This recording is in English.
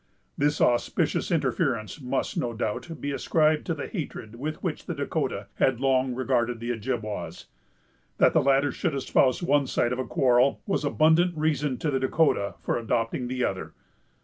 This auspicious interference must, no doubt, be ascribed to the hatred with which the Dahcotah had long regarded the Ojibwas. That the latter should espouse one side of the quarrel, was abundant reason to the Dahcotah for adopting the other.